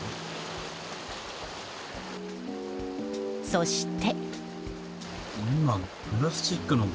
そして。